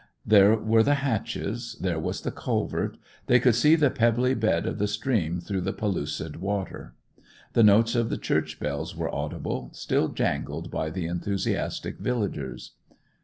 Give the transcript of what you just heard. There were the hatches, there was the culvert; they could see the pebbly bed of the stream through the pellucid water. The notes of the church bells were audible, still jangled by the enthusiastic villagers.